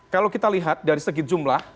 kalau kita lihat dari segi jumlah